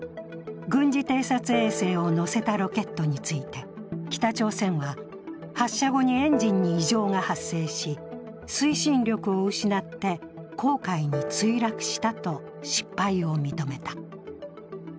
軍事偵察衛星を載せたロケットについて、北朝鮮は、発射後にエンジンに異常が発生し推進力を失って黄海に墜落したと失敗を認めた。